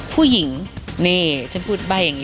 ผู้หญิงนี่ฉันพูดใบ้อย่างนี้